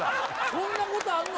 そんなことあんの？